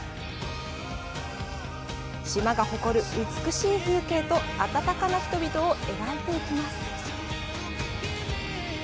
島が誇る美しい風景と温かな人々を描いていきます。